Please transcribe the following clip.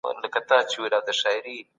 چټک دوران تر ورو دوران ډیره ګټه لري.